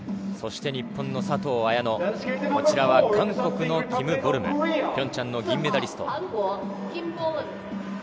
そして日本の佐藤綾乃、韓国のキム・ボルム、ピョンチャン銀メダリスト。